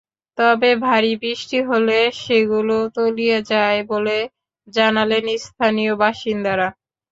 তবে ভারী বৃষ্টি হলে সেগুলোও তলিয়ে যায় বলে জানালেন স্থানীয় বাসিন্দারা।